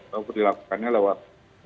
berlaku dilakukannya lewat